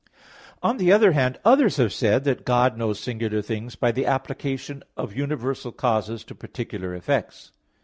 On the other hand, others have said that God knows singular things by the application of universal causes to particular effects.